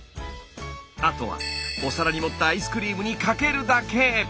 あとはお皿に盛ったアイスクリームにかけるだけ。